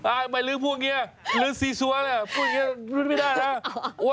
่าไม่ลืมพวกนี้ลืมซีซวาถ้าพูดอย่างนี้ลืมไม่ได้นะ